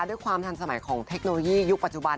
ด้วยความทันสมัยของเทคโนโลยียุคปัจจุบัน